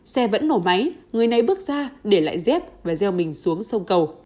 xe vẫn nổ máy người này bước ra để lại dép và gieo mình xuống sông cầu